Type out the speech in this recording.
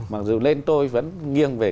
mặc dù lên tôi vẫn nghiêng về